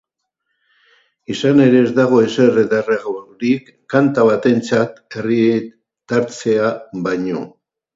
Izan ere, ez dago ezer ederragorik kanta batentzat herritartzea baino.